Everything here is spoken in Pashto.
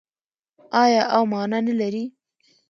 آیا او مانا نلري؟